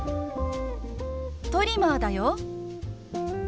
トリマーだよ。